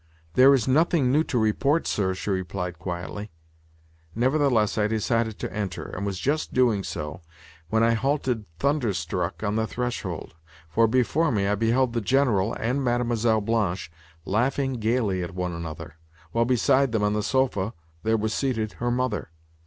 "There is nothing new to report, sir," she replied quietly. Nevertheless I decided to enter, and was just doing so when I halted thunderstruck on the threshold. For before me I beheld the General and Mlle. Blanche—laughing gaily at one another!—while beside them, on the sofa, there was seated her mother.